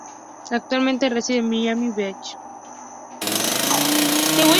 Actualmente reside en Miami Beach y Beaconsfield, Buckinghamshire.